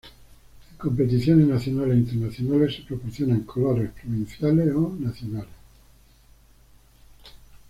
En competiciones nacionales e internacionales se proporcionan colores provinciales o nacionales.